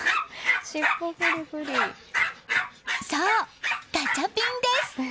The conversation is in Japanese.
そう、ガチャピンです。